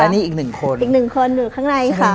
นี่อีกหนึ่งคนอีกหนึ่งคนอยู่ข้างในค่ะ